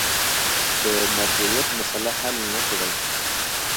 د مرجعیت مسأله حل نه کړي.